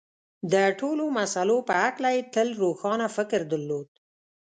د ټولو مسألو په هکله یې تل روښانه فکر درلود